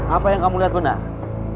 apa yang kamu lihat supposedlycam programming